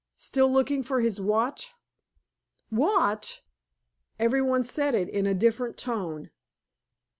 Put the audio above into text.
Still looking for his watch?" "Watch!" Everybody said it in a different tone.